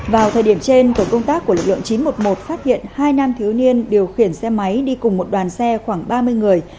vào thời điểm trên tổ công tác của lực lượng chín trăm một mươi một phát hiện hai nam thiếu niên điều khiển xe máy đi cùng một đoàn xe khoảng ba mươi người